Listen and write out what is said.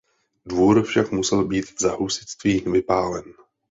Dvůr však musel být za husitství vypálen.